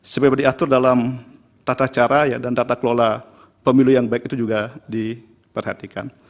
supaya diatur dalam tata cara dan tata kelola pemilu yang baik itu juga diperhatikan